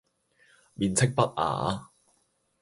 面斥不雅